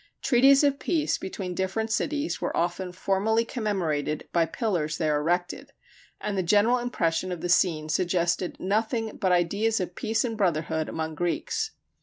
Treaties of peace between different cities were often formally commemorated by pillars there erected, and the general impression of the scene suggested nothing but ideas of peace and brotherhood among Greeks.